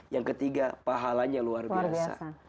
yang ketiga pahalanya luar biasa